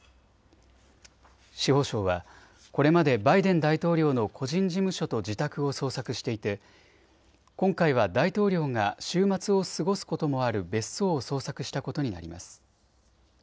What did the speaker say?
司法省はこれまでバイデン大統領の個人事務所と自宅を捜索していて今回は大統領が週末を過ごすこともある別荘を捜索したことになります。